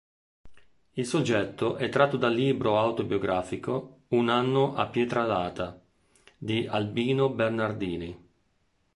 Il soggetto è tratto dal libro autobiografico "Un anno a Pietralata" di Albino Bernardini.